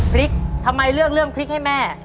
พริกทำไมเลือกเรื่องพริกให้แม่